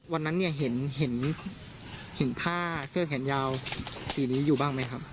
วันนั้นเนี่ยเห็นผ้าเสื้อแขนยาวสีนี้อยู่บ้างไหมครับ